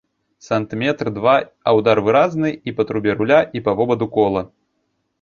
Сантыметр-два, а ўдар выразны і па трубе руля, і па вобаду кола.